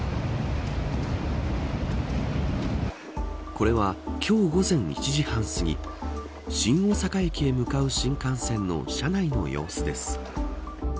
これは、今日午前１時半すぎ新大阪駅へ向かう新幹線の車内の様子です。